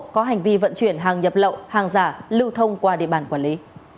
có hành vi vận chuyển hàng nhập lậu hàng giả lưu thông qua địa bàn quản lý